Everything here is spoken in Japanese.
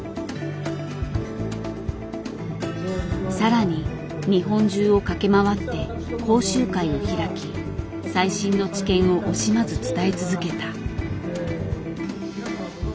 更に日本中を駆け回って講習会を開き最新の知見を惜しまず伝え続けた。